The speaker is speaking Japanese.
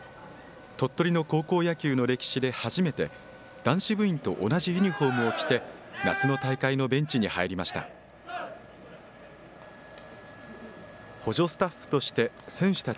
鳥取の高校野球の歴史で初めて、男子部員と同じユニホームを着て、夏の大会のベンチに入りました。